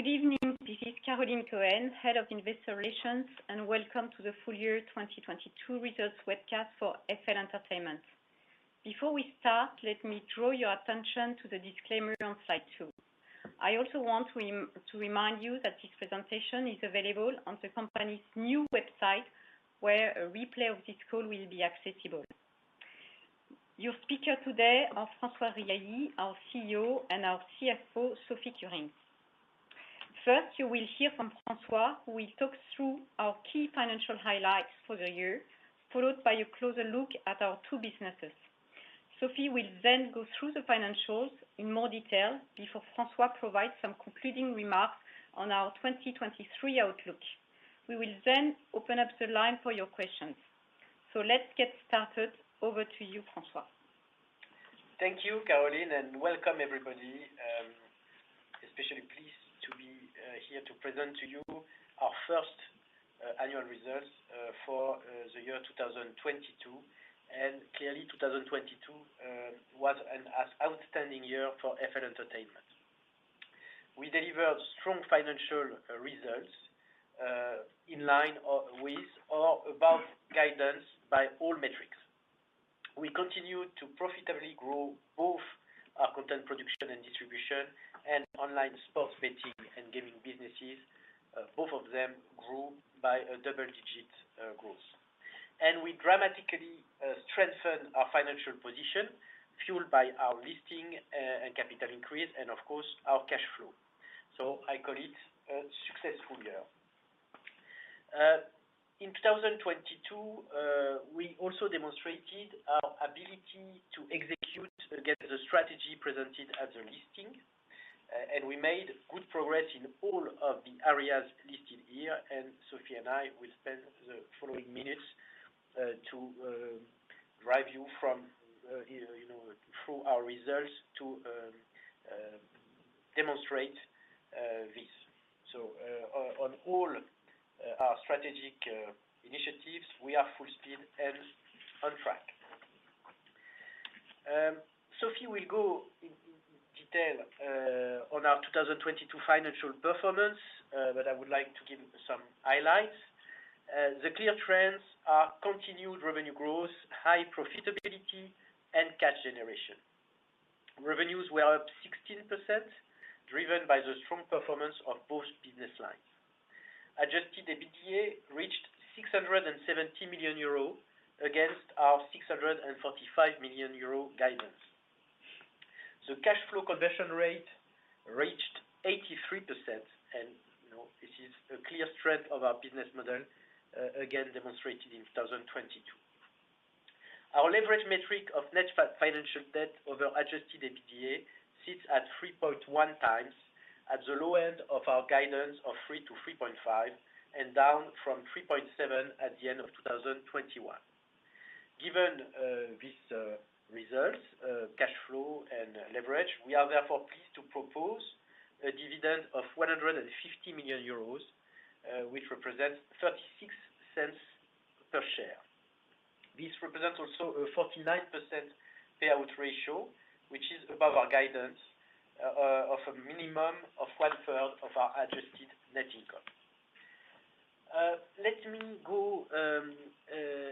Good evening. This is Caroline Cohen, Head of Investor Relations, welcome to the full year 2022 results webcast for FL Entertainment. Before we start, let me draw your attention to the disclaimer on slide two. I also want to remind you that this presentation is available on the company's new website, where a replay of this call will be accessible. Your speaker today are François Riahi, our CEO, and our CFO, Sophie Kurinckx. You will hear from François, who will talk through our key financial highlights for the year, followed by a closer look at our two businesses. Sophie will then go through the financials in more detail before François provides some concluding remarks on our 2023 outlook. We will then open up the line for your questions. Let's get started. Over to you, François. Thank you, Caroline, and welcome everybody. especially pleased to be here to present to you our first annual results for the year 2022. Clearly 2022 was an as-outstanding year for FL Entertainment. We delivered strong financial results in line or with or above guidance by all metrics. We continued to profitably grow both our content production and distribution and online sports betting and gaming businesses. both of them grew by a double-digit growth. We dramatically strengthened our financial position fueled by our listing and capital increase and of course our cash flow. I call it a success full year. In 2022, we also demonstrated our ability to execute against the strategy presented at the listing. We made good progress in all of the areas listed here. Sophie and I will spend the following minutes to drive you from, you know, through our results to demonstrate this. On all our strategic initiatives, we are full speed and on track. Sophie will go in detail on our 2022 financial performance. I would like to give some highlights. The clear trends are continued revenue growth, high profitability and cash generation. Revenues were up 16%, driven by the strong performance of both business lines. Adjusted EBITDA reached 670 million euro against our 645 million euro guidance. The cash flow conversion rate reached 83%, you know, this is a clear strength of our business model, again demonstrated in 2022. Our leverage metric of net financial debt over Adjusted EBITDA sits at 3.1x at the low end of our guidance of 3.0x-3.5x. Down from 3.7x at the end of 2021. Given these results, cash flow and leverage, we are therefore pleased to propose a dividend of 150 million euros, which represents 0.36 per share. This represents also a 49% payout ratio, which is above our guidance of a minimum of one third of our adjusted net income. Let me go,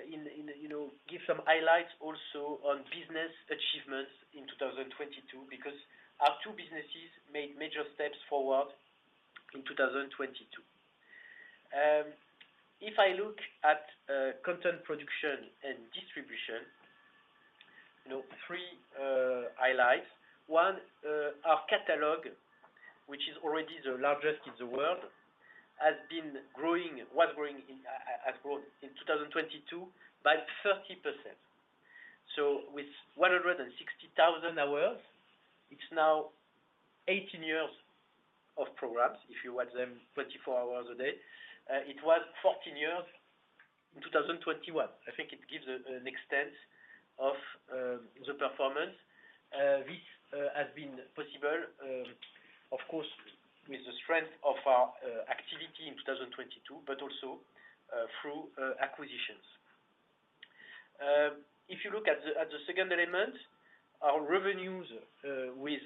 you know, give some highlights also on business achievements in 2022 because our two businesses made major steps forward in 2022. If I look at content production and distribution, you know, three highlights. One, our catalog, which is already the largest in the world, has grown in 2022 by 30%. With 160,000 hours, it's now 18 years of programs if you watch them 24 hours a day. It was 14 years in 2021. I think it gives an extent of the performance. This has been possible, of course, with the strength of our activity in 2022 but also through acquisitions. If you look at the, at the second element, our revenues with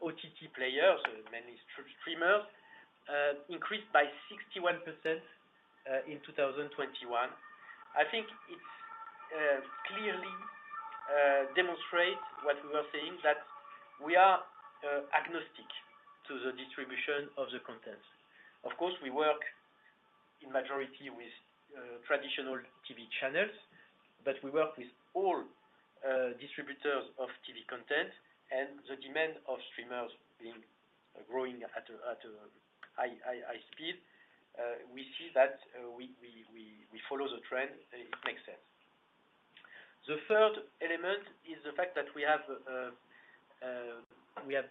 OTT players, mainly streamers, increased by 61% in 2021. I think it's clearly demonstrate what we were saying that we are agnostic to the distribution of the content. Of course, we work in majority with traditional TV channels, but we work with all distributors of TV content and the demand of streamers being growing at a high, high, high speed. We see that we follow the trend. It makes sense. The third element is the fact that we have we have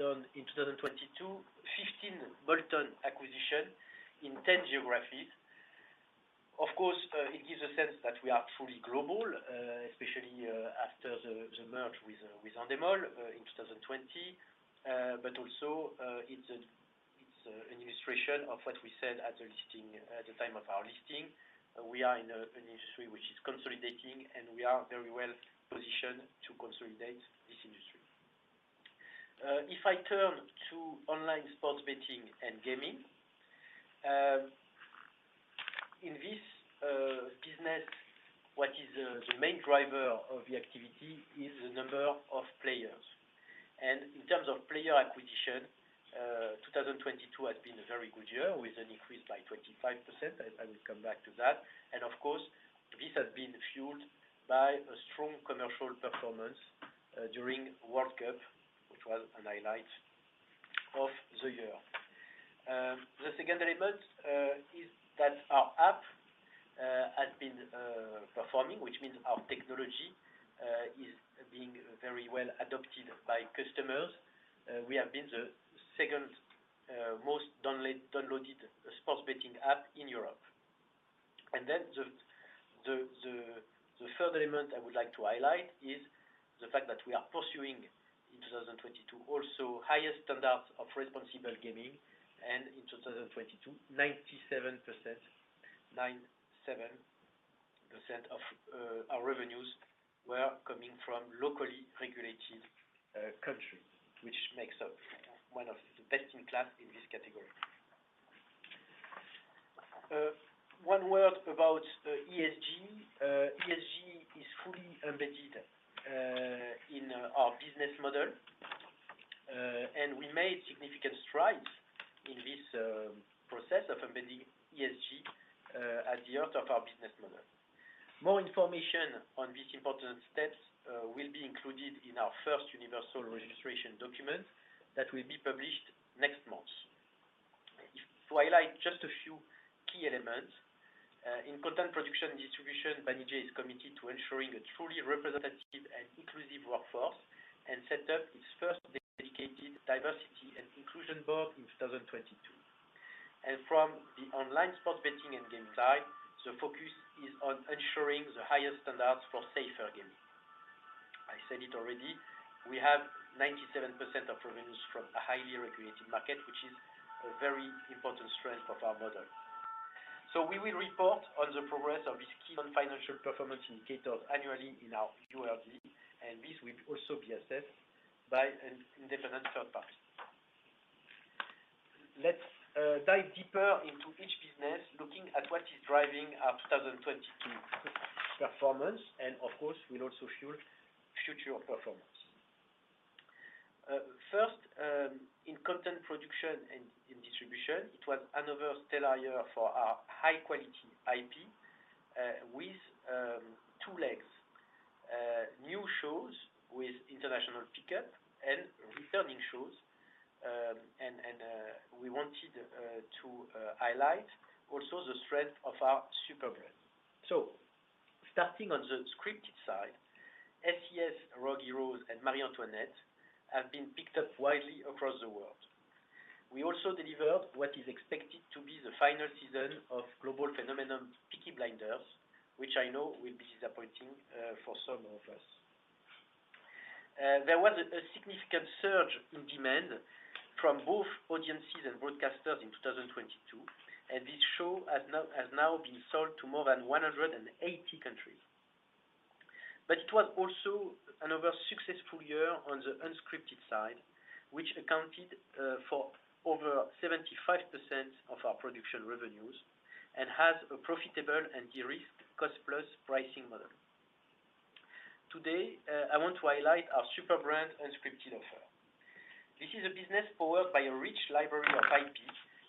done in 2022, 15 bolt-on acquisition in 10 geographies. Of course, it gives a sense that we are truly global, especially after the merge with Endemol in 2020. But also, it's registration of what we said at the listing, at the time of our listing. We are in an industry which is consolidating, and we are very well positioned to consolidate this industry. If I turn to online sports betting and gaming, in this business, what is the main driver of the activity is the number of players. In terms of player acquisition, 2022 has been a very good year with an increase by 25%. I will come back to that. Of course, this has been fueled by a strong commercial performance during World Cup, which was an highlight of the year. The second element is that our app has been performing, which means our technology is being very well adopted by customers. We have been the second most downloaded sports betting app in Europe. The third element I would like to highlight is the fact that we are pursuing in 2022, also highest standards of responsible gaming. In 2022, 97%, 97% of our revenues were coming from locally regulated countries, which makes up one of the best in class in this category. One word about ESG. ESG is fully embedded in our business model, and we made significant strides in this process of embedding ESG at the heart of our business model. More information on these important steps will be included in our first Universal Registration Document that will be published next month. If to highlight just a few key elements in content production and distribution, Banijay is committed to ensuring a truly representative and inclusive workforce, and set up its first dedicated diversity and inclusion board in 2022. From the online sports betting and games side, the focus is on ensuring the highest standards for safer gaming. I said it already, we have 97% of revenues from a highly regulated market, which is a very important strength of our model. We will report on the progress of this key on financial performance indicators annually in our URD, and this will also be assessed by an independent third party. Let's dive deeper into each business, looking at what is driving our 2022 performance, and of course, will also fuel future performance. First, in content production and in distribution, it was another stellar year for our high quality IP, with two legs. New shows with international pickup and returning shows. We wanted to highlight also the strength of our supergrid. Starting on the scripted side, SAS: Rogue Heroes, and Marie Antoinette have been picked up widely across the world. We also delivered what is expected to be the final season of global phenomenon, Peaky Blinders, which I know will be disappointing for some of us. There was a significant surge in demand from both audiences and broadcasters in 2022, and this show has now been sold to more than 180 countries. It was also another successful year on the unscripted side, which accounted for over 75% of our production revenues and has a profitable and de-risked cost-plus pricing model. Today, I want to highlight our super brand unscripted offer. This is a business powered by a rich library of IP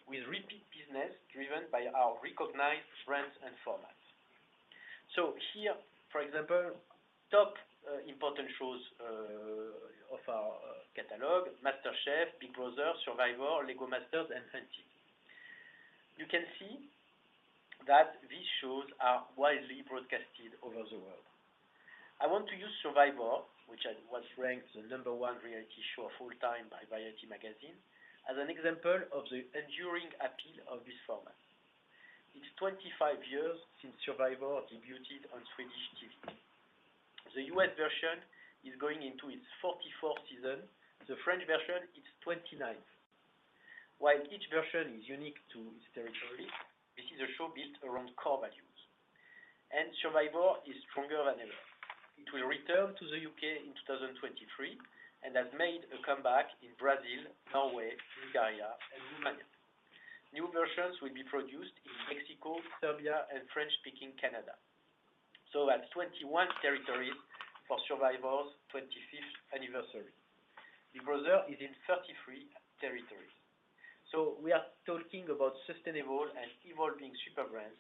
with repeat business driven by our recognized brands and formats. Here, for example, top important shows of our catalog, MasterChef, Big Brother, Survivor, LEGO Masters, and Hunted. You can see that these shows are widely broadcasted over the world. I want to use Survivor, which was ranked the number 1 reality show of all time by Variety Magazine, as an example of the enduring appeal of this format. It's 25 years since Survivor debuted on Swedish TV. The U.S. version is going into its 44th season. The French version, its 29th. While each version is unique to its territory, this is a show built around core values, and Survivor is stronger than ever. It will return to the UK in 2023 and has made a comeback in Brazil, Norway, Bulgaria, and Romania. New versions will be produced in Mexico, Serbia, and French-speaking Canada. That's 21 territories for Survivor's 25th anniversary. Big Brother is in 33 territories. We are talking about sustainable and evolving super brands,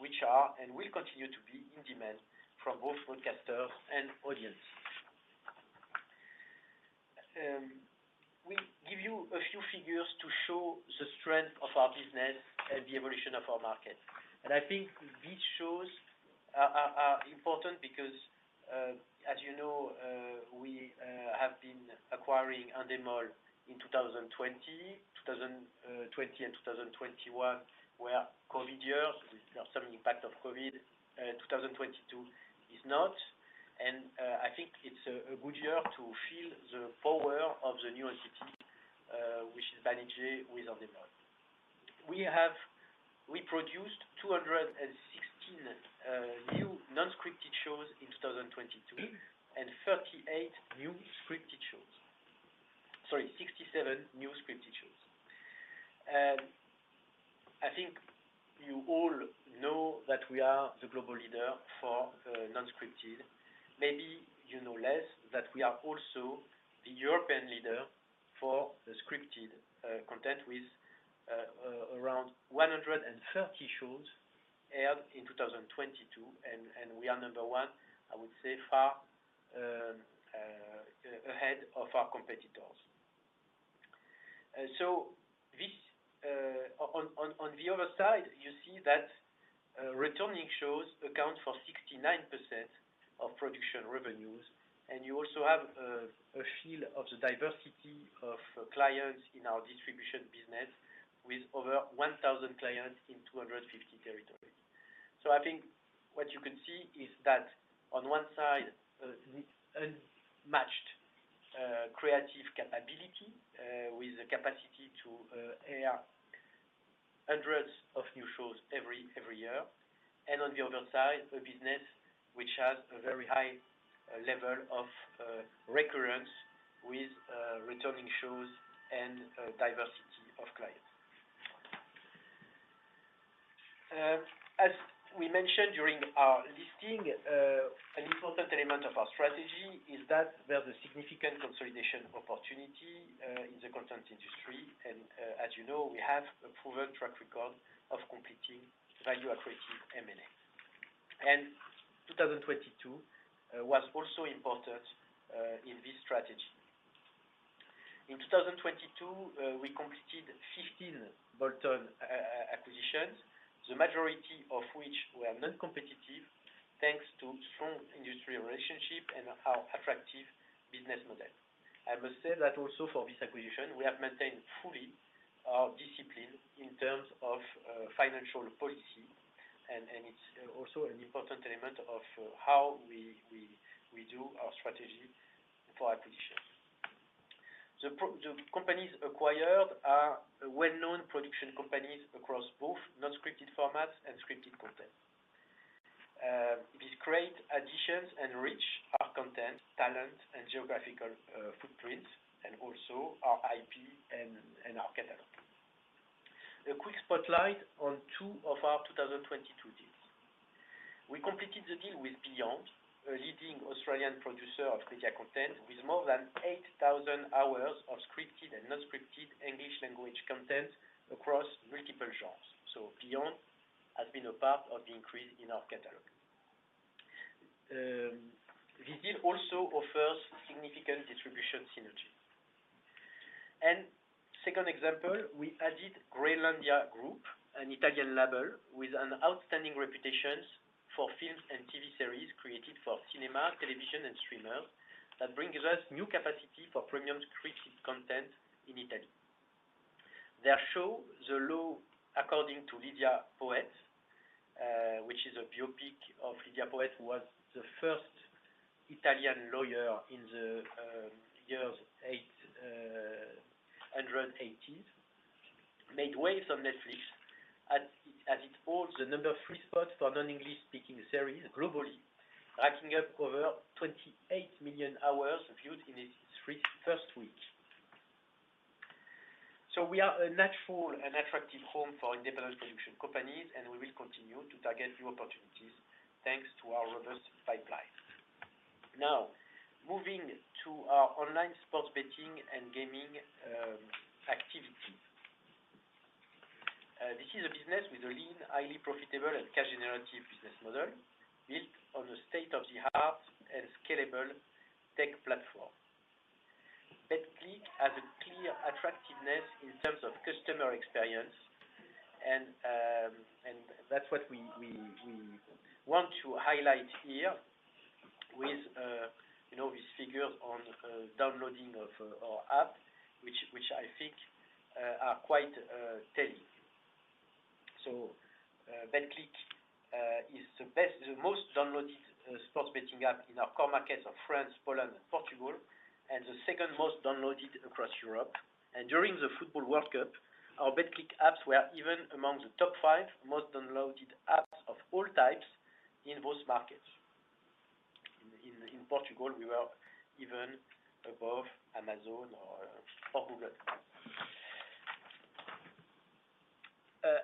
which are and will continue to be in demand from both broadcasters and audiences. We give you a few figures to show the strength of our business and the evolution of our market. I think these shows are important because, as you know, we have been acquiring Endemol in 2020. 2020 and 2021 were COVID years. There's some impact of COVID. 2022 is not. I think it's a good year to feel the power of the new entity, which is Banijay with our demand. We produced 216 new non-scripted shows in 2022, and 38 new scripted shows. Sorry, 67 new scripted shows. I think you all know that we are the global leader for non-scripted. Maybe you know less that we are also the European leader for the scripted content with around 130 shows aired in 2022. We are number one, I would say, far ahead of our competitors. On the other side, you see that returning shows account for 69% of production revenues, you also have a feel of the diversity of clients in our distribution business with over 1,000 clients in 250 territories. I think what you can see is that on one side, the unmatched creative capability with the capacity to air hundreds of new shows every year, and on the other side, a business which has a very high level of recurrence with returning shows and diversity of clients. As we mentioned during our listing, an important element of our strategy is that there's a significant consolidation opportunity in the content industry. As you know, we have a proven track record of completing value-accretive M&A. 2022 was also important in this strategy. In 2022, we completed 15 bolt-on acquisitions, the majority of which were non-competitive thanks to strong industry relationship and our attractive business model. I must say that also for this acquisition, we have maintained fully our discipline in terms of financial policy. It's also an important element of how we do our strategy for acquisitions. The companies acquired are well-known production companies across both non-scripted formats and scripted content. These create additions and reach our content, talent, and geographical footprints, and also our IP and our catalog. A quick spotlight on two of our 2022 deals. We completed the deal with Beyond, a leading Australian producer of creative content with more than 8,000 hours of scripted and non-scripted English language content across multiple genres. Beyond has been a part of the increase in our catalog. This deal also offers significant distribution synergies. Second example, we added Groenlandia Group, an Italian label with an outstanding reputations for films and TV series created for cinema, television, and streamers that brings us new capacity for premium scripted content in Italy. Their show, The Law According to Lidia Poët, which is a biopic of Lidia Poët, who was the first Italian lawyer in the years 1880s, made waves on Netflix as it holds the number three spot for non-English speaking series globally, racking up over 28 million hours viewed in its first week. We are a natural and attractive home for independent production companies, and we will continue to target new opportunities thanks to our robust pipeline. Now, moving to our online sports betting and gaming activity. This is a business with a lean, highly profitable and cash generative business model built on a state-of-the-art and scalable tech platform. Betclic has a clear attractiveness in terms of customer experience and that's what we want to highlight here with, you know, these figures on downloading of our app, which I think are quite telling. Betclic is the most downloaded sports betting app in our core markets of France, Poland, and Portugal, and the second most downloaded across Europe. During the Football World Cup, our Betclic apps were even among the top five most downloaded apps of all types in those markets. In Portugal, we were even above Amazon or Google.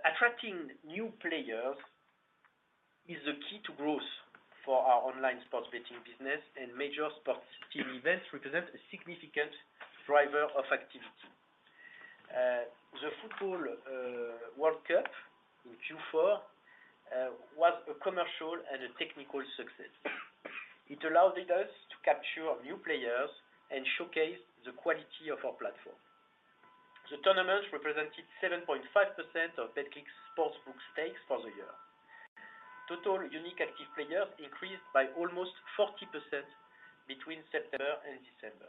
Attracting new players is the key to growth for our online sports betting business, and major sports team events represent a significant driver of activity. The Football World Cup in Q4 was a commercial and a technical success. It allowed us to capture new players and showcase the quality of our platform. The tournament represented 7.5% of Betclic's sports book stakes for the year. Total unique active players increased by almost 40% between September and December.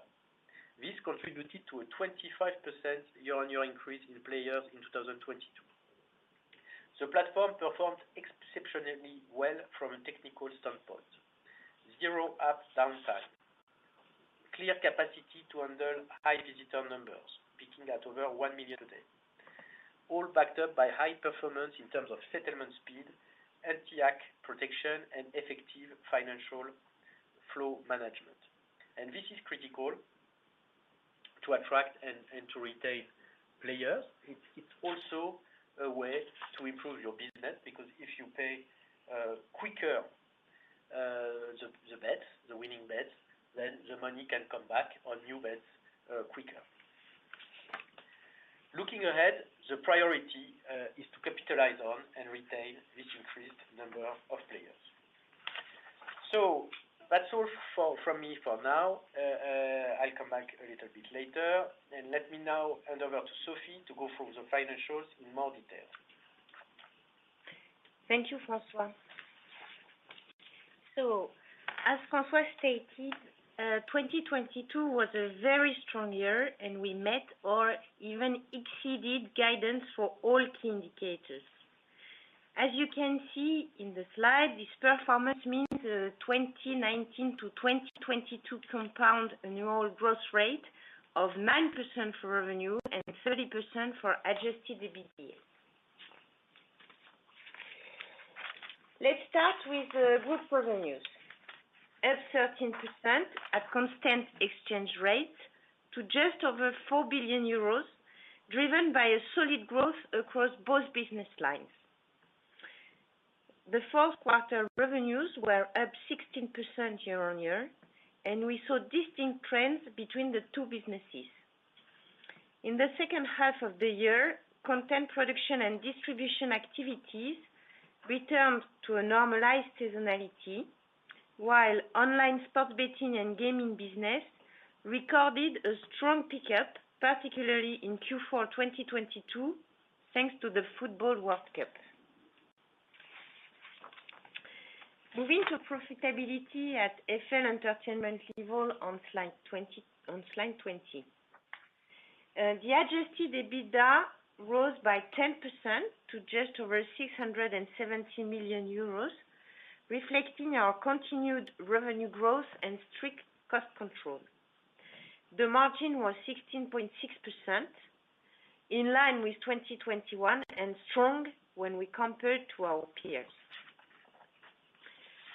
This contributed to a 25% year-on-year increase in players in 2022. The platform performed exceptionally well from a technical standpoint. Zero app downtime, clear capacity to handle high visitor numbers, peaking at over 1 million a day. All backed up by high performance in terms of settlement speed, anti-hack protection, and effective financial flow management. This is critical to attract and to retain players. It's also a way to improve your business, because if you pay quicker, the bets, the winning bets, then the money can come back on new bets quicker. Looking ahead, the priority is to capitalize on and retain this increased number of players. That's all from me for now. I'll come back a little bit later. Let me now hand over to Sophie to go through the financials in more detail. Thank you, François. As François stated, 2022 was a very strong year, and we met or even exceeded guidance for all key indicators. As you can see in the slide, this performance means a 2019 to 2022 compound annual growth rate of 9% for revenue and 30% for Adjusted EBITDA. Let's start with group revenues. Up 13% at constant exchange rate to just over 4 billion euros, driven by a solid growth across both business lines. The Q4 revenues were up 16% year-on-year, and we saw distinct trends between the two businesses. In the H2 of the year, content production and distribution activities returned to a normalized seasonality, while online sports betting and gaming business recorded a strong pickup, particularly in Q4, 2022, thanks to the Football World Cup. Moving to profitability at FL Entertainment level on slide 20. The Adjusted EBITDA rose by 10% to just over 670 million euros, reflecting our continued revenue growth and strict cost control. The margin was 16.6%, in line with 2021, and strong when we compare to our peers.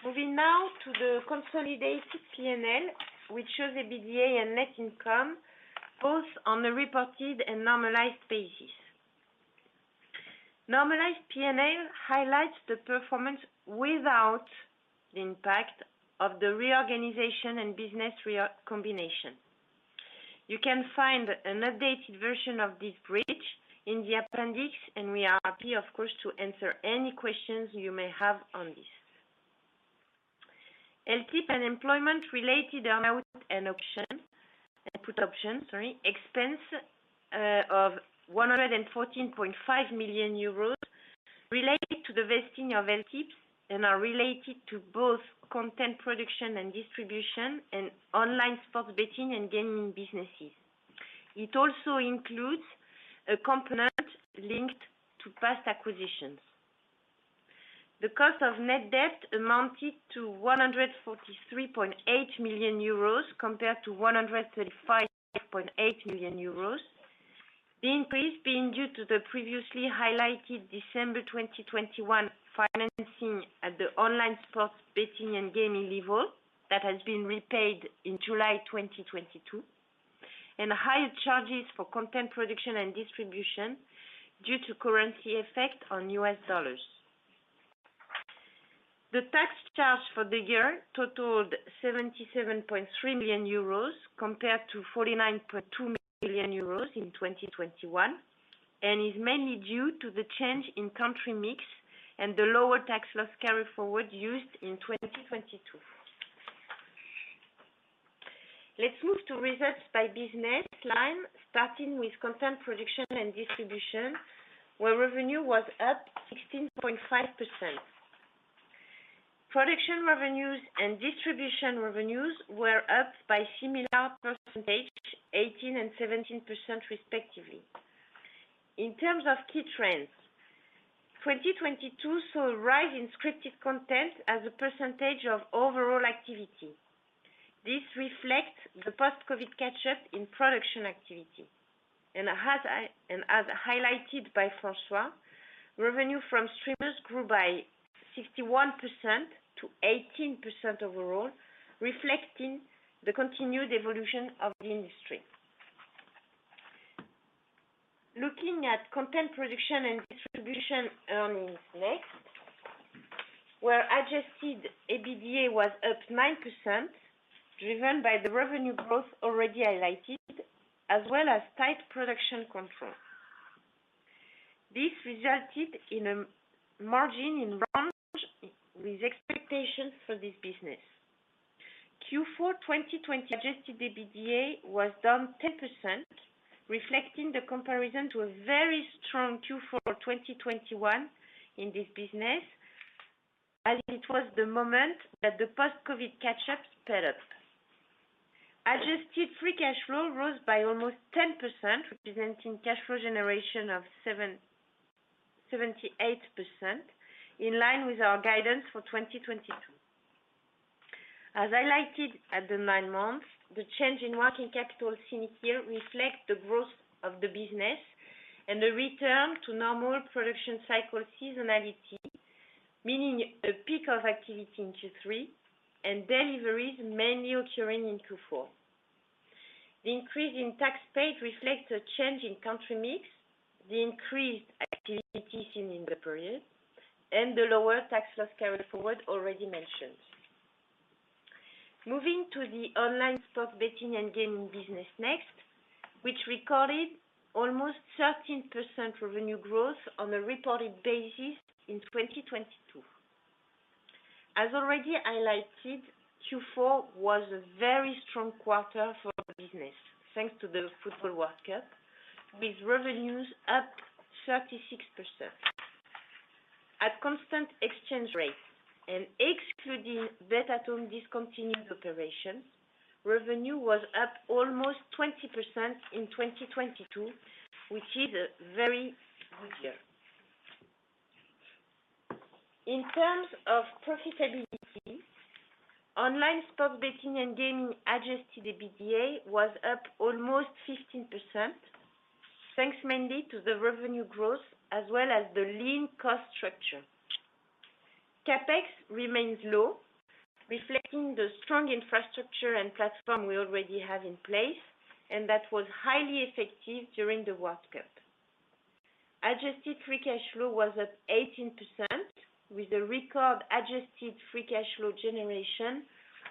Moving now to the consolidated P&L, which shows EBITDA and net income both on a reported and normalized basis. Normalized P&L highlights the performance without the impact of the reorganization and business re-combination. You can find an updated version of this bridge in the appendix. We are happy, of course, to answer any questions you may have on this. LTIP and employment-related amount and option, put option, sorry, expense of 114.5 million euros related to the vesting of LTIPs and are related to both content production and distribution and online sports betting and gaming businesses. It also includes a component linked to past acquisitions. The cost of net debt amounted to 143.8 million euros compared to 135.8 million euros. The increase being due to the previously highlighted December 2021 financing at the online sports betting and gaming level that has been repaid in July 2022, and higher charges for content production and distribution due to currency effect on US dollars. The tax charge for the year totaled 77.3 million euros compared to 49.2 million euros in 2021, and is mainly due to the change in country mix and the lower tax loss carry forward used in 2022. Let's move to results by business line, starting with content production and distribution, where revenue was up 16.5%. Production revenues and distribution revenues were up by similar percentage, 18% and 17% respectively. In terms of key trends, 2022 saw a rise in scripted content as a percentage of overall activity. This reflects the post-COVID catch-up in production activity. As highlighted by François, revenue from streamers grew by 61% to 18% overall, reflecting the continued evolution of the industry. Looking at content production and distribution earnings next, where Adjusted EBITDA was up 9%, driven by the revenue growth already highlighted, as well as tight production control. This resulted in a margin in range with expectations for this business. Q4, 2020 Adjusted EBITDA was down 10%, reflecting the comparison to a very strong Q4, 2021 in this business, as it was the moment that the post-COVID catch-up sped up. Adjusted free cash flow rose by almost 10%, representing cash flow generation of 78%, in line with our guidance for 2022. As highlighted at the nine months, the change in working capital seen here reflect the growth of the business and the return to normal production cycle seasonality, meaning a peak of activity in Q3 and deliveries mainly occurring in Q4. The increase in tax paid reflects a change in country mix, the increased activity seen in the period, and the lower tax loss carried forward already mentioned. Moving to the Online Sports Betting & Gaming business next, which recorded almost 13% revenue growth on a reported basis in 2022. As already highlighted, Q4 was a very strong quarter for the business, thanks to the Football World Cup, with revenues up 36%. At constant exchange rate and excluding bet-at-home discontinued operations, revenue was up almost 20% in 2022, which is a very good year. In terms of profitability, Online Sports Betting & Gaming Adjusted EBITDA was up almost 15%, thanks mainly to the revenue growth as well as the lean cost structure. CapEx remains low, reflecting the strong infrastructure and platform we already have in place. That was highly effective during the World Cup. Adjusted free cash flow was up 18% with a record adjusted free cash flow generation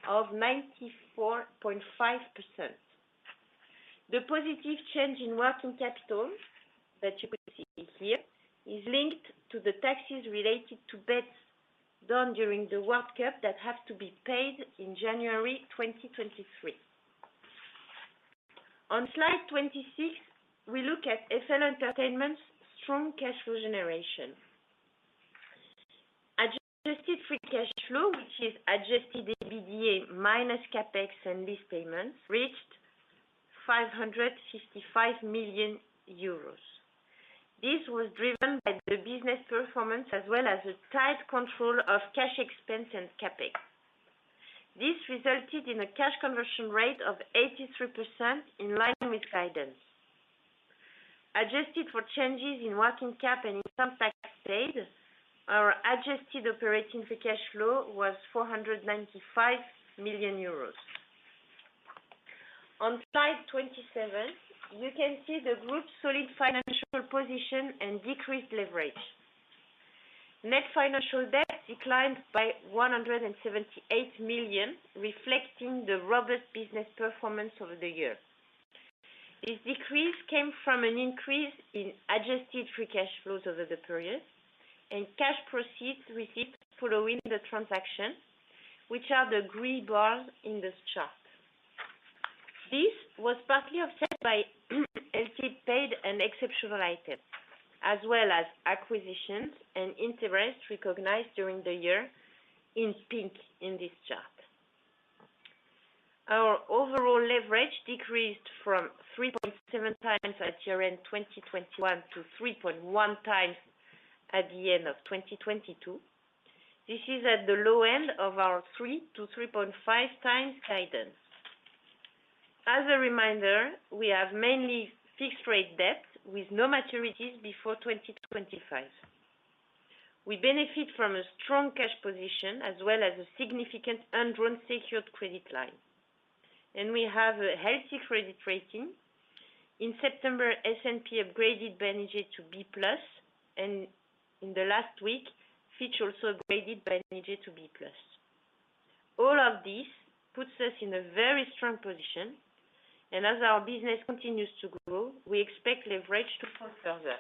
of 94.5%. The positive change in working capital that you can see here is linked to the taxes related to bets done during the World Cup that have to be paid in January 2023. On slide 26, we look at FL Entertainment's strong cash flow generation. Adjusted free cash flow, which is Adjusted EBITDA minus CapEx and lease payments, reached 555 million euros. This was driven by the business performance as well as a tight control of cash expense and CapEx. This resulted in a cash conversion rate of 83% in line with guidance. Adjusted for changes in working cap and income tax paid, our adjusted operating free cash flow was 495 million euros. On slide 27, you can see the group's solid financial position and decreased leverage. Net financial debt declined by 178 million, reflecting the robust business performance over the year. This decrease came from an increase in Adjusted free cash flows over the period and cash proceeds received following the transaction, which are the green bars in this chart. This was partly offset by LC paid and exceptional items, as well as acquisitions and interest recognized during the year in pink in this chart. Our overall leverage decreased from 3.7 times at year-end 2021 to 3.1 times at the end of 2022. This is at the low end of our 3-3.5 times guidance. As a reminder, we have mainly fixed rate debt with no maturities before 2025. We benefit from a strong cash position as well as a significant undrawn secured credit line. We have a healthy credit rating. In September, S&P upgraded Banijay to B+, and in the last week, Fitch also upgraded Banijay to B+. All of this puts us in a very strong position. As our business continues to grow, we expect leverage to fall further.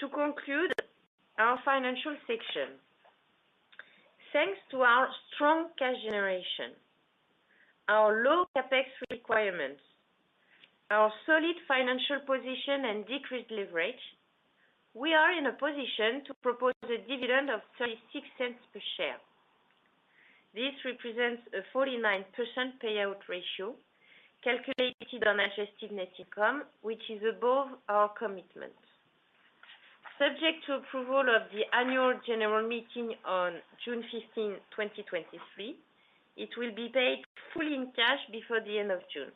To conclude our financial section, thanks to our strong cash generation, our low CapEx requirements, our solid financial position, and decreased leverage, we are in a position to propose a dividend of 0.36 per share. This represents a 49% payout ratio calculated on adjusted net income, which is above our commitment. Subject to approval of the annual general meeting on June 15th, 2023, it will be paid fully in cash before the end of June.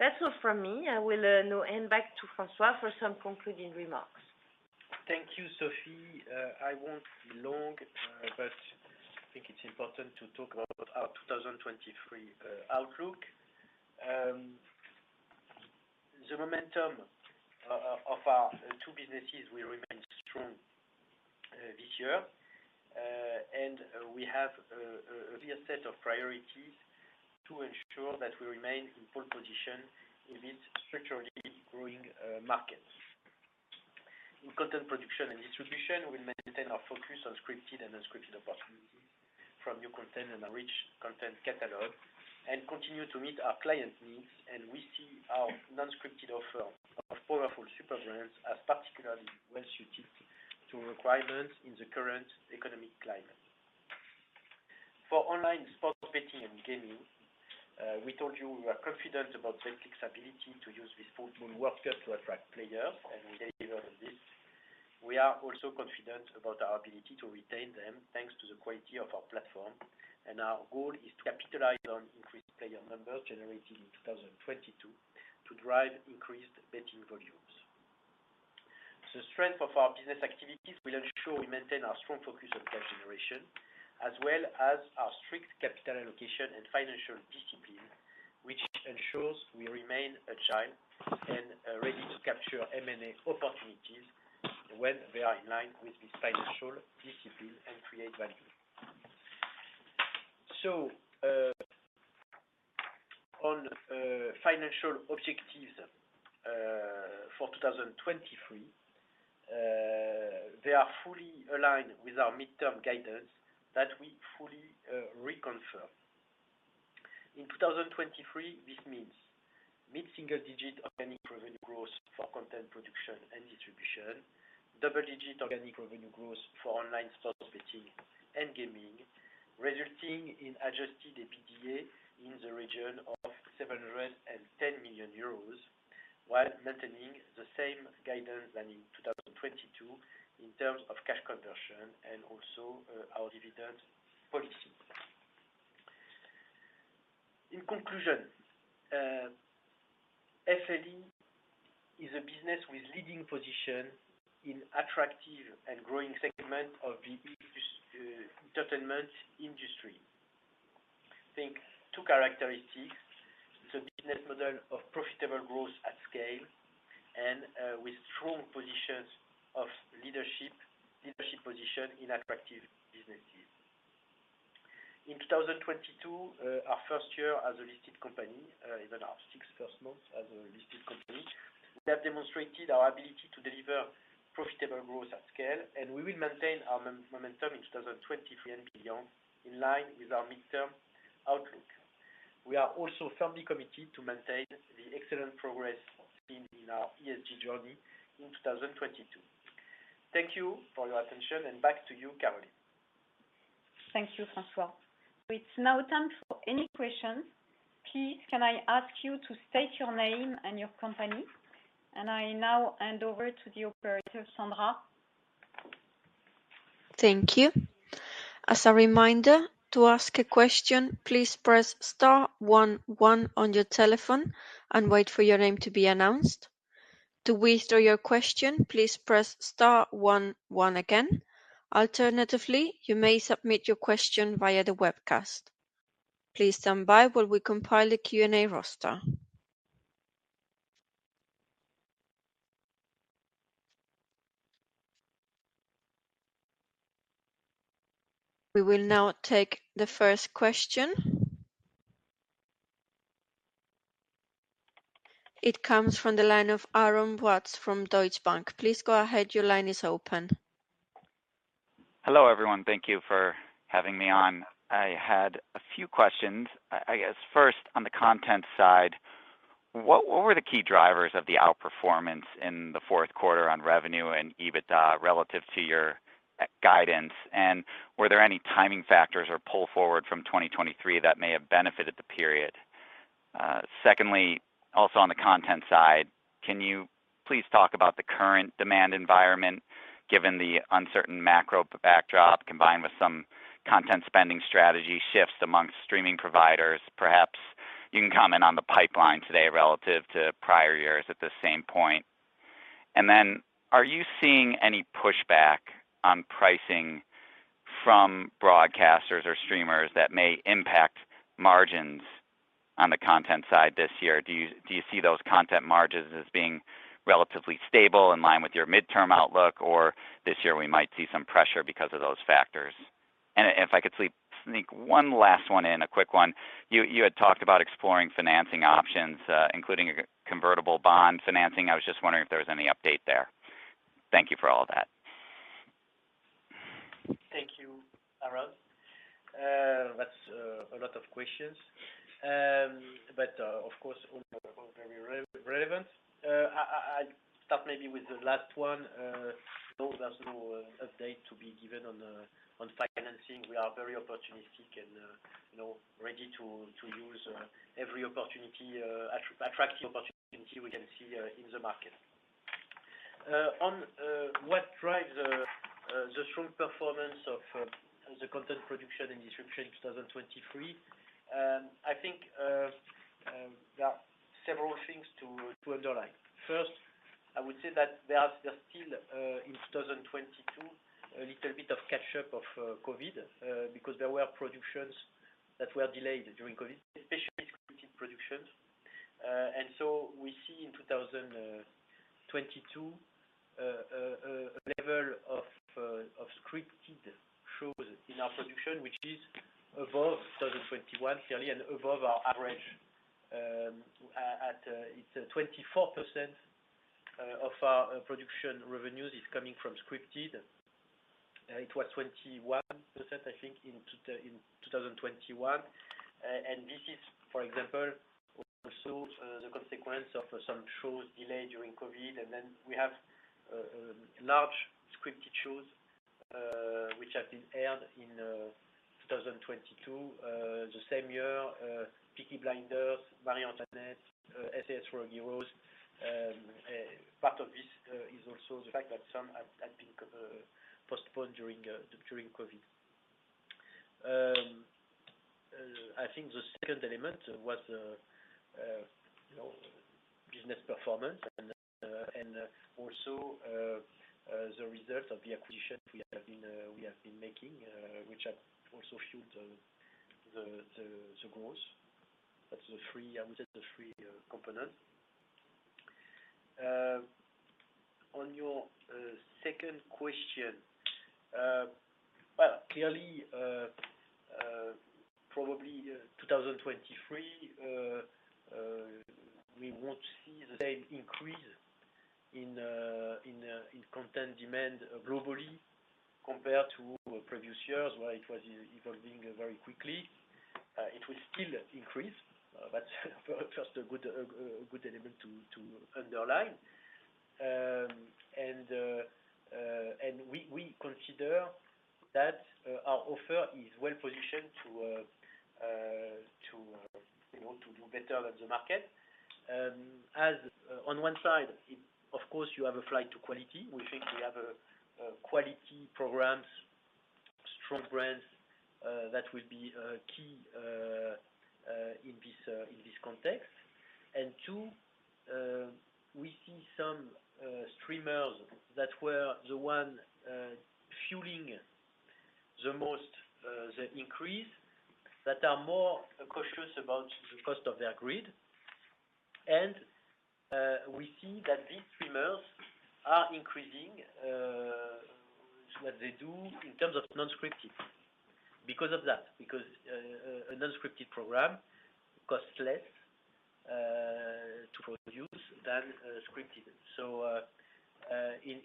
That's all from me. I will now hand back to François for some concluding remarks. Thank you, Sophie. I won't be long, but I think it's important to talk about our 2023 outlook. The momentum of our two businesses will remain strong this year. And we have a clear set of priorities to ensure that we remain in pole position in these structurally growing markets. In content production and distribution, we'll maintain our focus on scripted and unscripted opportunities from new content and a rich content catalog. Continue to meet our client needs, and we see our non-scripted offer of powerful super brands as particularly well-suited to requirements in the current economic climate. For online sports betting and gaming, we told you we are confident about Betclic's ability to use this football World Cup to attract players, and we delivered on this. We are also confident about our ability to retain them, thanks to the quality of our platform, and our goal is to capitalize on increased player numbers generated in 2022 to drive increased betting volumes. The strength of our business activities will ensure we maintain our strong focus on cash generation, as well as our strict capital allocation and financial discipline, which ensures we remain agile and ready to capture M&A opportunities when they are in line with this financial discipline and create value. On financial objectives for 2023, they are fully aligned with our midterm guidance that we fully reconfirm. In 2023, this means mid-single-digit organic revenue growth for content production and distribution, double-digit organic revenue growth for online sports betting and gaming, resulting in Adjusted EBITDA in the region of 710 million euros, while maintaining the same guidance than in 2022 in terms of cash conversion and also our dividend policy. In conclusion, FFE is a business with leading position in attractive and growing segment of the entertainment industry. Think two characteristics, the business model of profitable growth at scale and with strong positions of leadership position in attractive businesses. In 2022, our first year as a listed company, even our six first months as a listed company, we have demonstrated our ability to deliver profitable growth at scale. We will maintain our momentum in 2023 and beyond, in line with our midterm outlook. We are also firmly committed to maintain the excellent progress seen in our ESG journey in 2022. Thank you for your attention. Back to you, Caroline. Thank you, François. It's now time for any questions. Please, can I ask you to state your name and your company? I now hand over to the operator, Sandra. Thank you. As a reminder, to ask a question, please press star one one on your telephone and wait for your name to be announced. To withdraw your question, please press star one one again. Alternatively, you may submit your question via the webcast. Please stand by while we compile a Q&A roster. We will now take the first question. It comes from the line of Aaron Watts from Deutsche Bank. Please go ahead, your line is open. Hello, everyone. Thank you for having me on. I had a few questions. I guess first, on the content side, what were the key drivers of the outperformance in the Q4 on revenue and EBITDA relative to your guidance? Were there any timing factors or pull forward from 2023 that may have benefited the period? Secondly, also on the content side, can you please talk about the current demand environment, given the uncertain macro backdrop combined with some content spending strategy shifts amongst streaming providers? Perhaps you can comment on the pipeline today relative to prior years at this same point. Are you seeing any pushback on pricing from broadcasters or streamers that may impact margins on the content side this year? Do you see those content margins as being relatively stable in line with your midterm outlook? This year we might see some pressure because of those factors? If I could sneak one last one in, a quick one. You had talked about exploring financing options, including a convertible bond financing. I was just wondering if there was any update there. Thank you for all that. Thank you, Aaron. That's a lot of questions. Of course, all very re-relevant. I start maybe with the last one. No, there's no update to be given on financing. We are very opportunistic and, you know, ready to use every attractive opportunity we can see in the market. On what drives the strong performance of the content production and distribution in 2023, I think there are several things to underline. First, I would say that there's still in 2022, a little bit of catch up of COVID, because there were productions that were delayed during COVID, especially scripted productions. We see in 2022 a level of scripted shows in our production, which is above 2021, clearly, and above our average. It's 24% of our production revenues is coming from scripted. It was 21%, I think, in 2021. This is, for example, also the consequence of some shows delayed during COVID. Then we have large scripted shows which have been aired in 2022. The same year, Peaky Blinders, Marie Antoinette, SAS: Rogue Heroes. Part of this is also the fact that some had been postponed during COVID. I think the second element was, you know, business performance and also, the result of the acquisition we have been making, which have also fueled the growth. That's the three, I would say the three components. On your second question. Well, clearly, probably 2023, we won't see the same increase in content demand globally compared to previous years, where it was evolving very quickly. It will still increase, but first a good element to underline. We consider that our offer is well-positioned to, you know, to do better than the market. As on one side, of course, you have a flight to quality. We think we have quality programs, strong brands, that will be key in this context. Two, we see some streamers that were the one fueling the most the increase, that are more cautious about the cost of their grid. We see that these streamers are increasing what they do in terms of non-scripted because of that. Because a non-scripted program costs less to produce than a scripted. In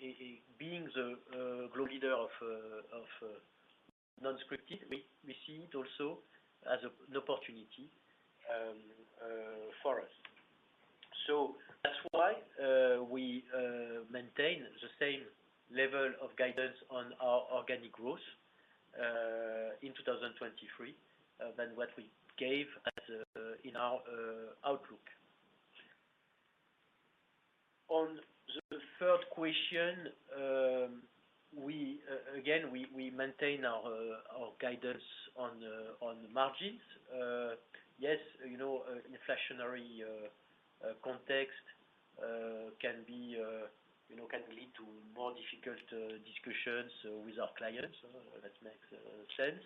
being the grow leader of non-scripted, we see it also as an opportunity for us. That's why we maintain the same level of guidance on our organic growth in 2023 than what we gave as in our outlook. On the third question, again, we maintain our guidance on margins. Yes, you know, inflationary context can be, you know, can lead to more difficult discussions with our clients. That makes sense.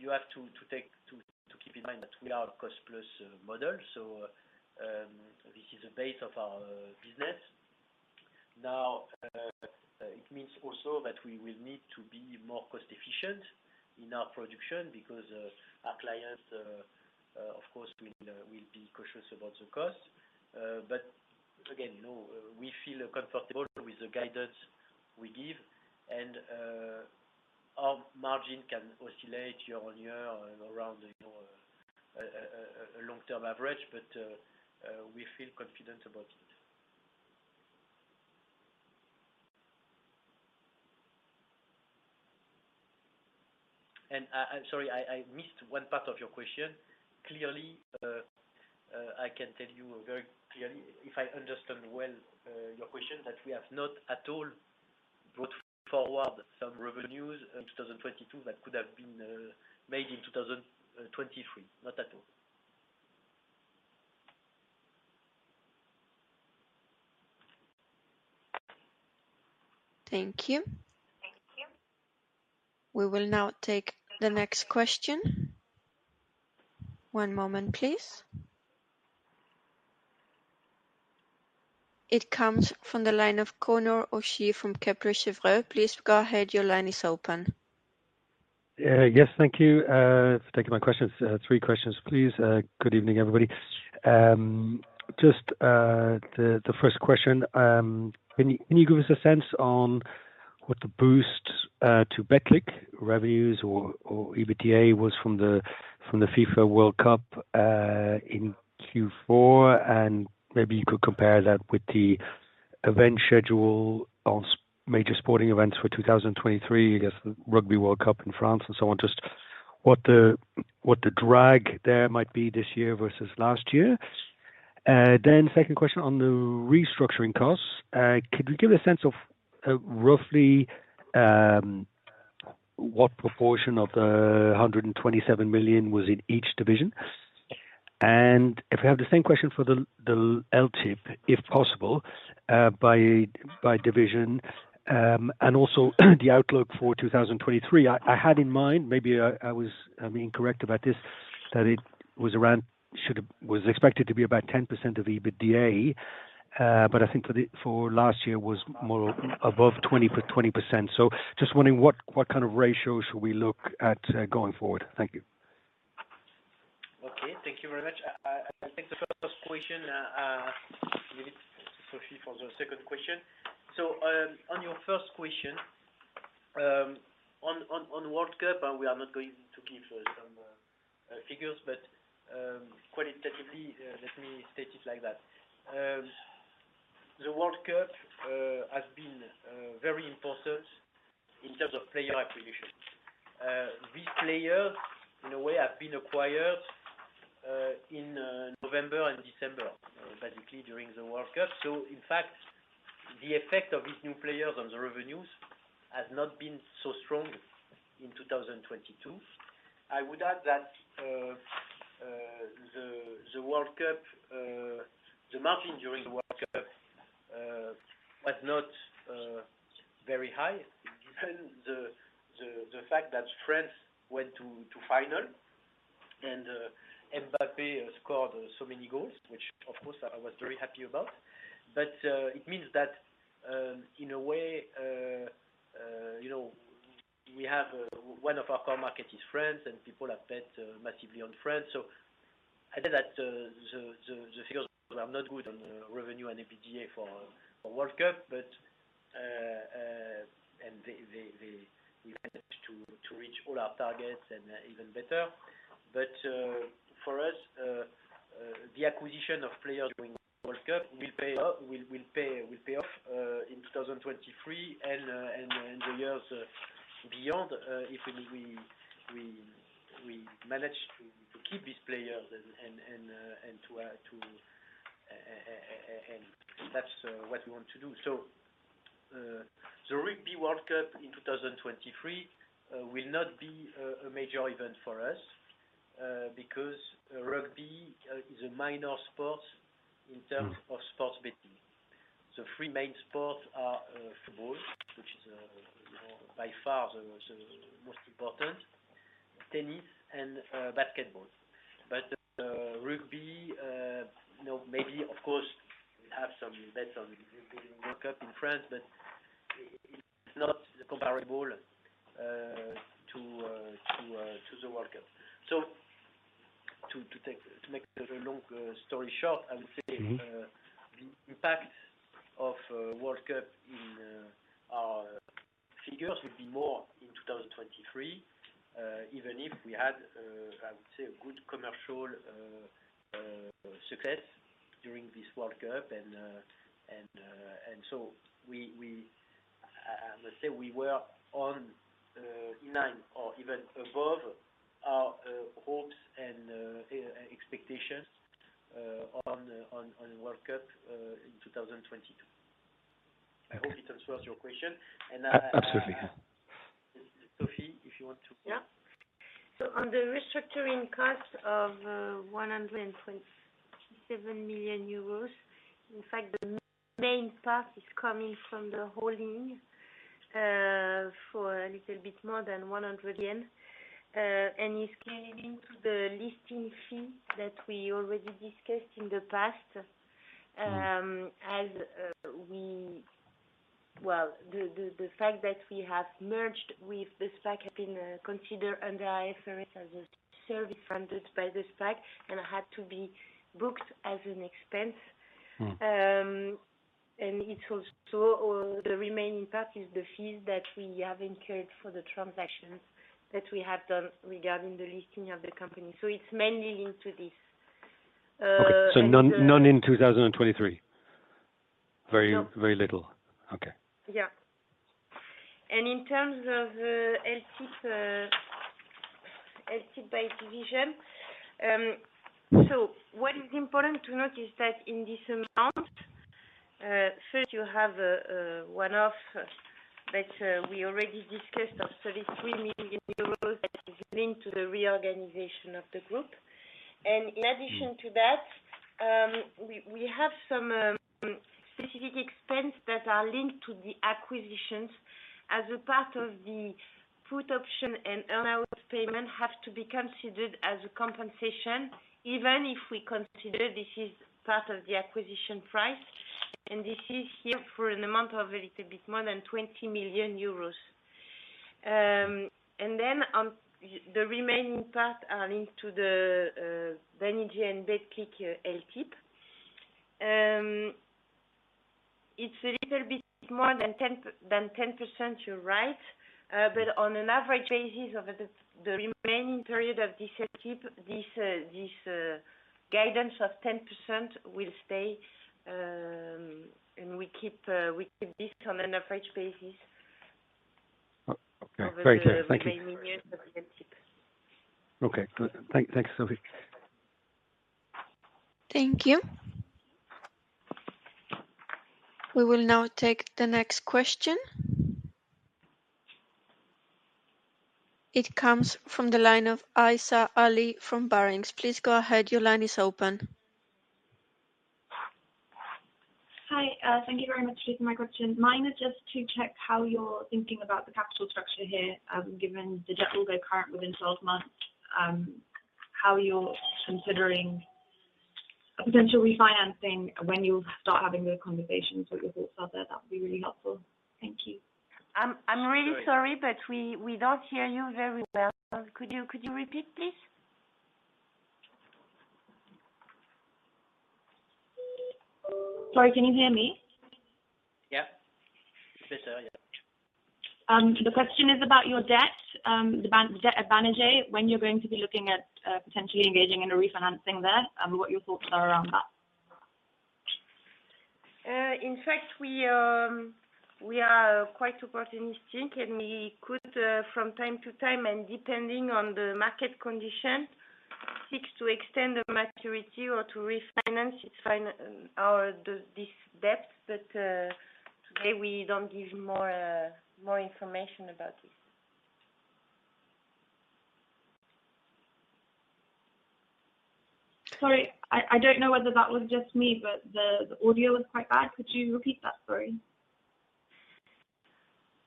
You have to keep in mind that we are a cost-plus model, so this is the base of our business. It means also that we will need to be more cost-efficient in our production because our clients, of course will be cautious about the cost. Again, you know, we feel comfortable with the guidance we give and our margin can oscillate year on year around, you know, a long-term average. We feel confident about it. Sorry, I missed one part of your question. Clearly, I can tell you very clearly, if I understand well, your question, that we have not at all brought forward some revenues in 2022 that could have been made in 2023. Not at all. Thank you. We will now take the next question. One moment please. It comes from the line of Conor O'Shea from Kepler Cheuvreux. Please go ahead. Your line is open. Yes, thank you for taking my questions. Three questions, please. Good evening, everybody. Just the first question. Can you give us a sense on what the boost to Betclic revenues or EBITDA was from the FIFA World Cup in Q4? Maybe you could compare that with the event schedule on major sporting events for 2023. I guess the Rugby World Cup in France and so on. Just what the drag there might be this year versus last year. Second question on the restructuring costs. Could you give a sense of roughly what proportion of the 127 million was in each division? If we have the same question for the LTIP, if possible, by division. Also the outlook for 2023. I had in mind, maybe I'm incorrect about this, that it was expected to be about 10% of the EBITDA. I think for last year was more above 20%. just wondering what kind of ratio should we look at going forward? Thank you. Okay, thank you very much. I think the first question, give it to Sophie for the second question. On your first question, on World Cup, we are not going to give some figures, but qualitatively, let me state it like that. The World Cup has been very important in terms of player acquisition. These players, in a way, have been acquired in November and December, basically during the World Cup. In fact, the effect of these new players on the revenues has not been so strong in 2022. I would add that the World Cup, the margin during the World Cup was not very high despite the fact that France went to final and Mbappé scored so many goals, which of course I was very happy about. It means that, in a way, you know, we have one of our core market is France, and people have bet massively on France. I think that the figures were not good on revenue and EBITDA for World Cup. They managed to reach all our targets and even better. For us, the acquisition of players during World Cup will pay off in 2023 and the years beyond, if we manage to keep these players and to, and that's what we want to do. The Rugby World Cup in 2023 will not be a major event for us, because rugby is a minor sport in terms of sports betting. The three main sports are football, which is, you know, by far the most important, tennis and basketball. rugby, you know, maybe of course we have some bets on the Rugby World Cup in France, but it's not comparable to the World Cup. To make the long story short, I would say. Mm-hmm. The impact of World Cup in our figures will be more in 2023, even if we had, I would say a good commercial, success during this World Cup. I would say we were on, in line or even above our, hopes and, expectations, on the, on World Cup, in 2022. I hope it answers your question. A-a-absolutely. Sophie, if you want to- On the restructuring cost of 127 million euros, in fact, the main part is coming from the holding, for a little bit more than EUR 100 million, and is carried into the listing fee that we already discussed in the past. Well, the fact that we have merged with the SPAC has been considered under IFRS as a service funded by the SPAC and had to be booked as an expense. Mm. The remaining part is the fees that we have incurred for the transactions that we have done regarding the listing of the company. It's mainly linked to this. Okay. None in 2023? No. Very, very little? Okay. Yeah. In terms of LTIP by division, what is important to note is that in this amount, first you have a one-off that we already discussed of 33 million euros that is linked to the reorganization of the group. In addition to that. Mm. We, we have some specific expenses that are linked to the acquisitions as a part of the put option and earn-out payment have to be considered as a compensation, even if we consider this is part of the acquisition price, and this is here for an amount of a little bit more than 20 million euros. On the remaining part are linked to the Bénéteau and Betclic LTIP. It's a little bit more than 10%, you're right. On an average basis of the remaining period of this LTIP, this guidance of 10% will stay. We keep this on an average basis. Okay. Very clear. Thank you. -over the remaining years of the LTIP. Okay. Good. Thanks, Sophie. Thank you. We will now take the next question. It comes from the line of Omar Sheikh from Barings. Please go ahead. Your line is open. Hi. Thank you very much for taking my question. Mine is just to check how you're thinking about the capital structure here, given the debt will go current within 12 months. How you're considering a potential refinancing when you'll start having those conversations or your thoughts on that. That would be really helpful. Thank you. I'm really sorry, but we don't hear you very well. Could you repeat, please? Sorry, can you hear me? Yeah. Better, yeah. The question is about your debt, the debt at Banijay, when you're going to be looking at, potentially engaging in a refinancing there and what your thoughts are around that? In fact, we are quite opportunistic. We could from time to time, depending on the market condition, seek to extend the maturity or to refinance this debt. Today, we don't give more information about this. Sorry, I don't know whether that was just me, but the audio was quite bad. Could you repeat that, sorry?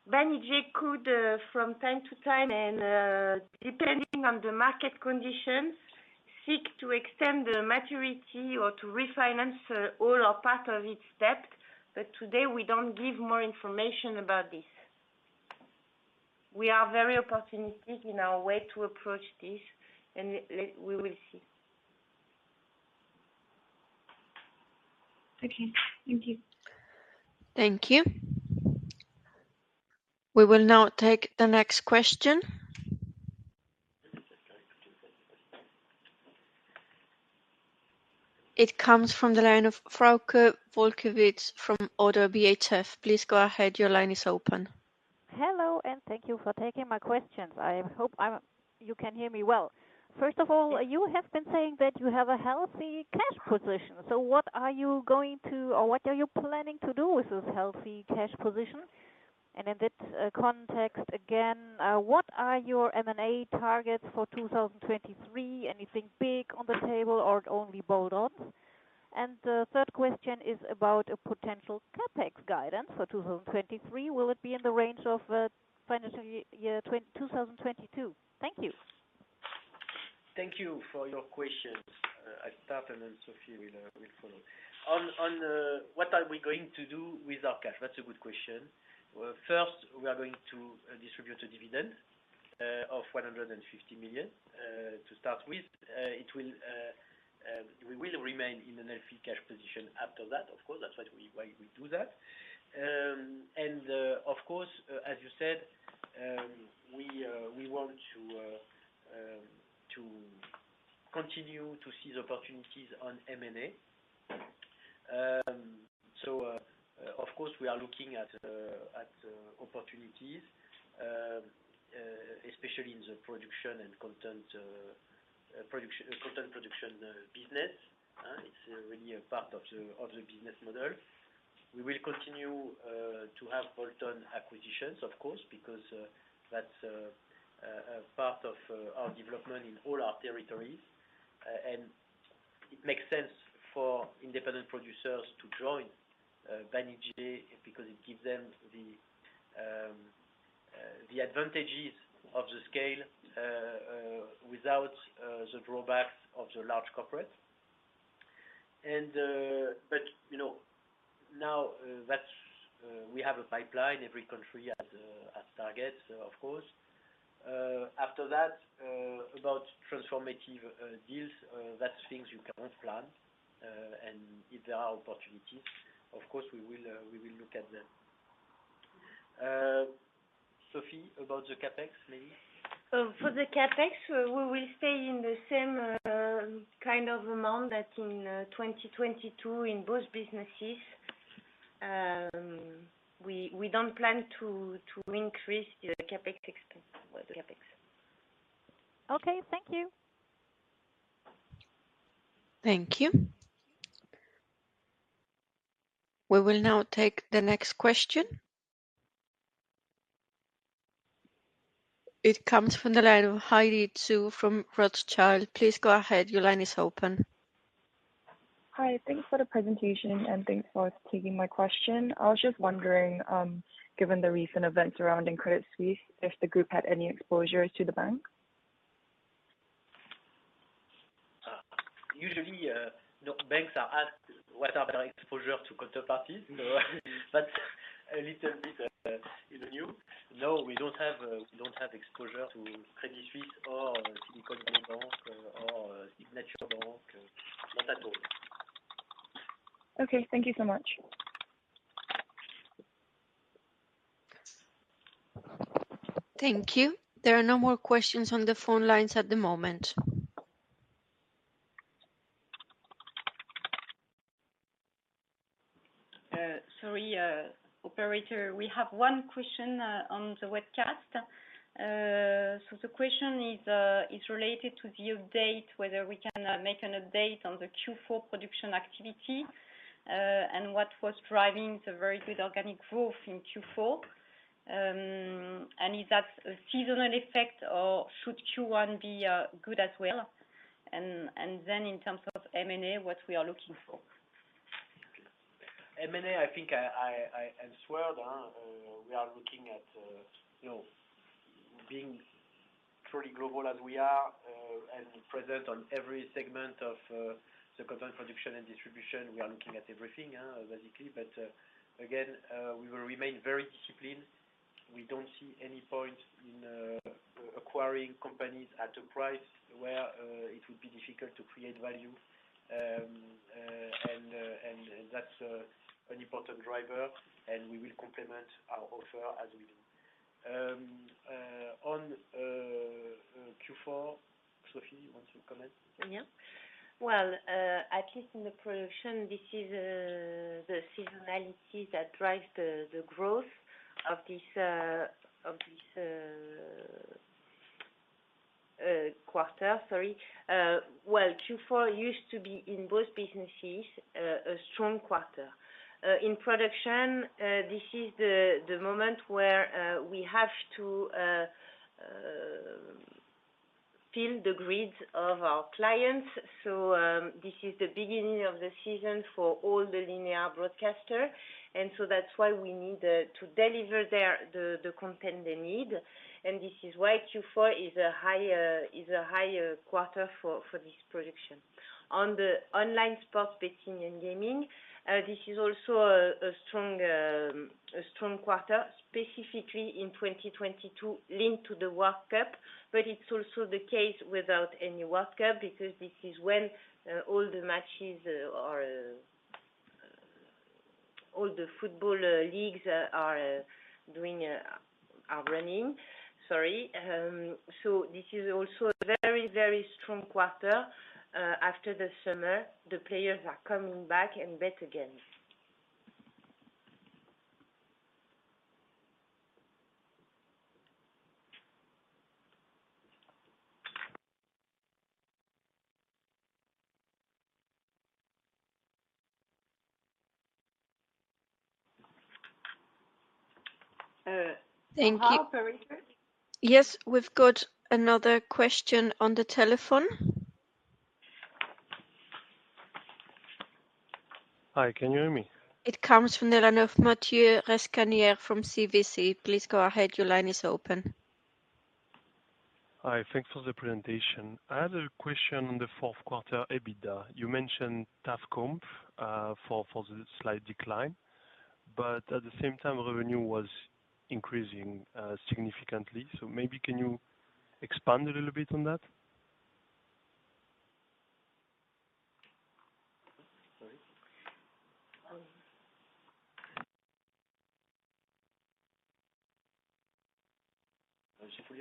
Banijay could, from time to time and, depending on the market conditions, seek to extend the maturity or to refinance, all or part of its debt. Today, we don't give more information about this. We are very opportunistic in our way to approach this. We will see. Okay. Thank you. Thank you. We will now take the next question. It comes from the line of Frauke Wolkewitz from ODDO BHF. Please go ahead. Your line is open. Hello, thank you for taking my questions. I hope you can hear me well. Yes. you have been saying that you have a healthy cash position. What are you planning to do with this healthy cash position? In that context, again, what are your M&A targets for 2023? Anything big on the table or only bolt-ons? The third question is about a potential CapEx guidance for 2023. Will it be in the range of financial year 2022? Thank you. Thank you for your questions. I'll start, and then Sophie will follow. On, on, what are we going to do with our cash? That's a good question. Well, first, we are going to distribute a dividend of 150 million to start with. It will. We will remain in a healthy cash position after that, of course. That's why we do that. Of course, as you said, we want to continue to seize opportunities on M&A. Of course, we are looking at opportunities, especially in the production and content production business. It's really a part of the, of the business model. We will continue to have bolt-on acquisitions, of course, because that's a part of our development in all our territories. It makes sense for independent producers to join Banijay because it gives them the advantages of the scale without the drawbacks of the large corporate. You know, now that's we have a pipeline. Every country has targets, of course. After that, about transformative deals, that's things you cannot plan. If there are opportunities, of course, we will look at them. Sophie, about the CapEx maybe. For the CapEx, we will stay in the same kind of amount that in 2022 in both businesses. We don't plan to increase the CapEx expense or the CapEx. Okay. Thank you. Thank you. We will now take the next question. It comes from the line of Heidi Xu from Rothschild. Please go ahead. Your line is open. Hi. Thanks for the presentation. Thanks for taking my question. I was just wondering, given the recent events around in Credit Suisse, if the group had any exposures to the bank. Usually, no, banks are asked what are their exposure to counterparty. That's a little bit in the new. No, we don't have exposure to Credit Suisse or Silicon Valley Bank or Signature Bank. Not at all. Okay. Thank you so much. Thank you. There are no more questions on the phone lines at the moment. Sorry, operator. We have one question on the webcast. The question is related to the update, whether we can make an update on the Q4 production activity, and what was driving the very good organic growth in Q4. Is that a seasonal effect, or should Q1 be good as well? Then in terms of M&A, what we are looking for. M&A, I think I swear, you know, being truly global as we are, and present on every segment of the content production and distribution. We are looking at everything, basically. Again, we will remain very disciplined. We don't see any point in acquiring companies at a price where it would be difficult to create value. That's an important driver, and we will complement our offer as we do. On Q4, Sophie, you want to comment? Yeah. Well, at least in the production, this is the seasonality that drives the growth of this quarter. Sorry. Well, Q4 used to be in both businesses, a strong quarter. In production, this is the moment where we have to fill the grids of our clients. This is the beginning of the season for all the linear broadcaster. That's why we need to deliver their... the content they need. This is why Q4 is a higher quarter for this production. On the online sports betting and gaming, this is also a strong quarter, specifically in 2022 linked to the World Cup. It's also the case without any World Cup because this is when, all the matches, or, all the football, leagues are doing, are running. Sorry. This is also a very strong quarter. After the summer, the players are coming back and bet again. Thank you. Operator. Yes, we've got another question on the telephone. Hi, can you hear me? It comes from the line of Mathieu Rousselier from CVC. Please go ahead. Your line is open. Hi. Thanks for the presentation. I had a question on the Q4 EBITDA. You mentioned tough comp, for the slight decline, but at the same time revenue was increasing, significantly. Maybe can you expand a little bit on that? Sorry.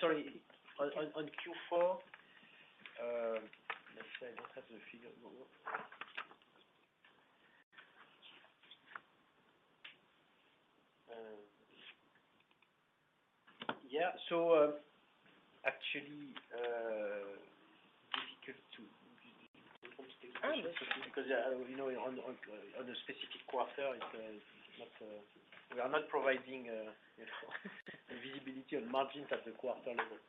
Sophie? Sorry. On Q4, let's say I don't have the figure. Yeah. Actually, difficult to I will. You know, we are not providing, you know, visibility on margins at the quarter level.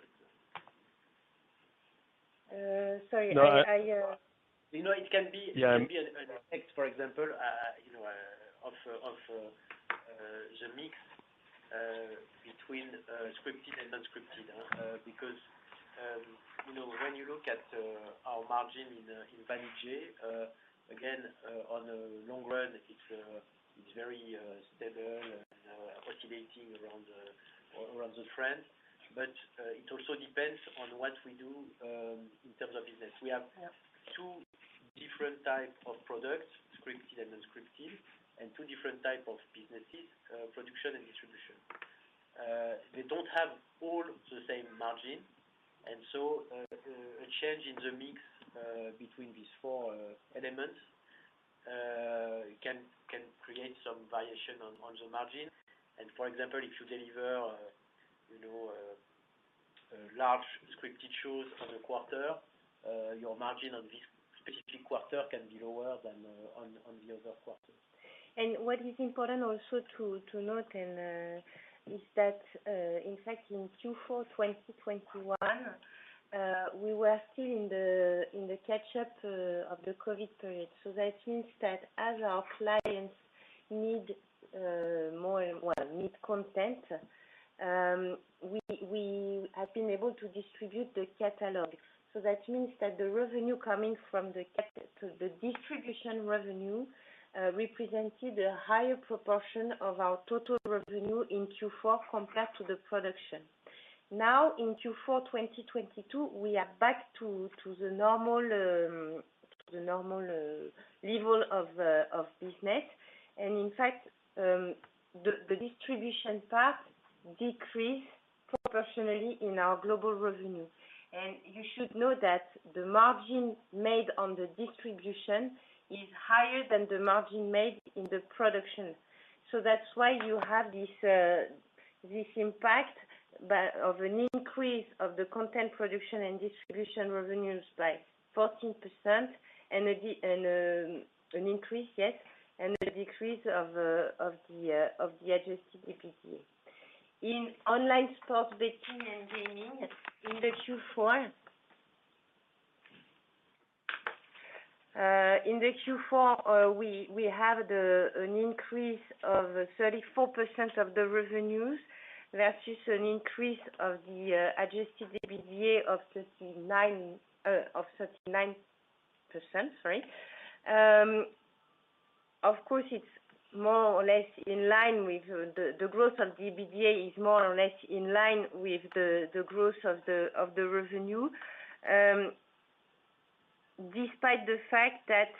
Sorry. I. You know, it can be- Yeah. It can be an effect, for example, you know, of the mix between scripted and non-scripted. You know, when you look at our margin in Banijay, again, on a long run it's very stable and oscillating around the trend. It also depends on what we do in terms of business. Yeah. Two different type of products, scripted and unscripted, and two different type of businesses, production and distribution. They don't have all the same margin. A change in the mix between these four elements, can create some variation on the margin. For example, if you deliver, you know, large scripted shows on a quarter, your margin on this specific quarter can be lower than on the other quarters. What is important also to note and is that in fact in Q4 2021, we were still in the catch up of the COVID period. That means that as our clients need more, well, need content, we have been able to distribute the catalog. That means that the revenue coming from the distribution revenue represented a higher proportion of our total revenue in Q4 compared to the production. Now, in Q4 2022, we are back to the normal level of business. In fact, the distribution part decreased proportionally in our global revenue. You should know that the margin made on the distribution is higher than the margin made in the production. That's why you have this impact of an increase of the content production and distribution revenues by 14% and a decrease of the Adjusted EBITDA. In online sports betting and gaming in the Q4, we have an increase of 34% of the revenues versus an increase of the Adjusted EBITDA of 39%, sorry. Of course, it's more or less in line with the growth of the EBITDA is more or less in line with the growth of the revenue. Despite the fact that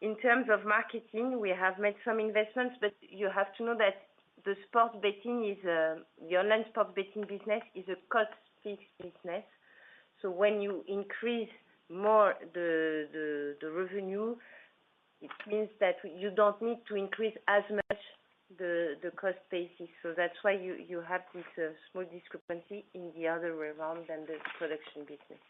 in terms of marketing, we have made some investments, but you have to know that the sports betting is the online sports betting business is a cost-fixed business. When you increase more the revenue, it means that you don't need to increase as much the cost basis. That's why you have this small discrepancy in the other realm than the production business.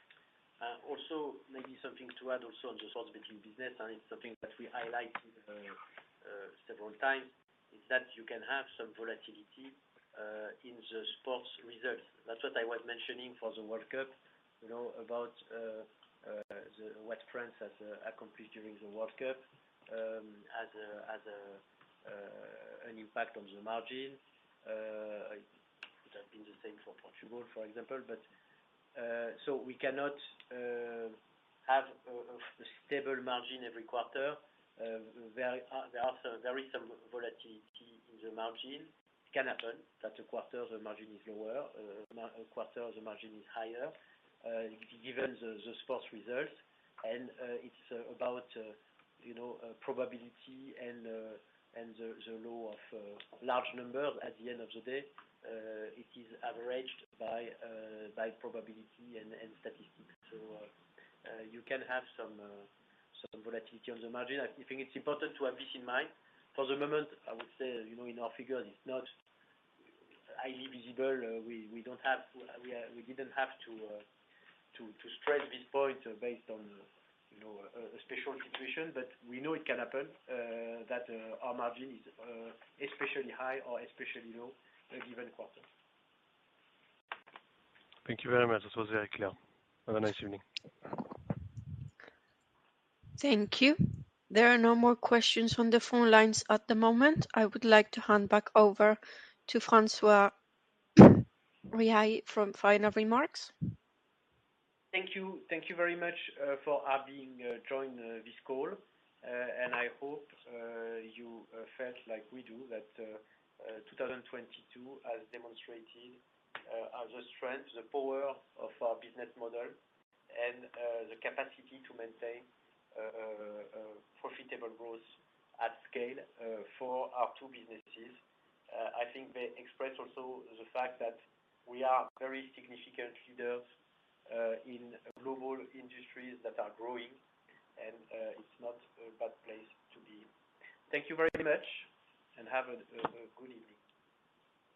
Also maybe something to add also on the sports betting business, and it's something that we highlight several times, is that you can have some volatility in the sports results. That's what I was mentioning for the World Cup, you know, about what France has accomplished during the World Cup, has an impact on the margin. It would have been the same for Portugal, for example. We cannot have a stable margin every quarter. There is some volatility in the margin. It can happen that a quarter, the margin is lower, a quarter, the margin is higher, given the sports results. It's about, you know, probability and the law of large numbers at the end of the day. It is averaged by probability and statistics. You can have some volatility on the margin. I think it's important to have this in mind. For the moment, I would say, you know, in our figures it's not highly visible. We don't have, we didn't have to stress this point based on, you know, a special situation. We know it can happen, that, our margin is especially high or especially low at a given quarter. Thank you very much. This was very clear. Have a nice evening. Thank you. There are no more questions on the phone lines at the moment. I would like to hand back over to François Riahi for final remarks. Thank you. Thank you very much for having joined this call. I hope you felt like we do that 2022 has demonstrated the strength, the power of our business model, and the capacity to maintain profitable growth at scale for our two businesses. I think they express also the fact that we are very significant leaders in global industries that are growing. It's not a bad place to be. Thank you very much, and have a good evening.